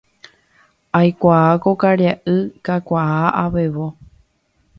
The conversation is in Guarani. Aikuaa ko karia'y kakuaa, avevo.